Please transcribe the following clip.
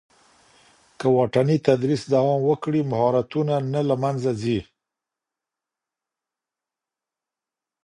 که واټني تدریس دوام وکړي، مهارتونه نه له منځه ځي.